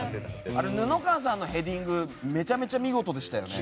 布川さんのヘディングめちゃめちゃ見事でしたよね。